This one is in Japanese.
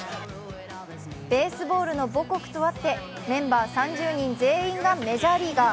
ベースボールの母国とあって、メンバー３０人全員がメジャーリーガー。